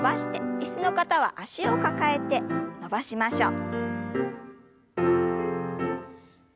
椅子の方は脚を抱えて伸ばしましょう。